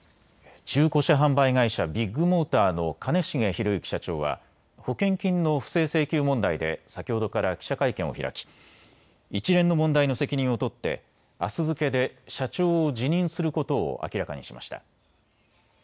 中古車販売会社ビッグモーターの兼重宏行社長は保険金の不正請求問題で先程から記者会見を開き一連の問題の責任を取って明日付けで社長を辞任することを明らかにしました。